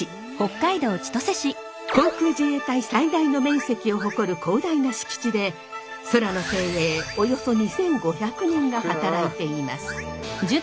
航空自衛隊最大の面積を誇る広大な敷地で空の精鋭およそ２，５００人が働いています。